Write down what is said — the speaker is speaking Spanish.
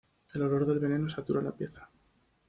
El olor del veneno satura la pieza.